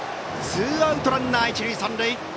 ツーアウトランナー、一塁三塁。